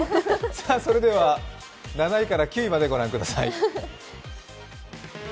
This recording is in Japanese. それでは７位から９位までご覧ください。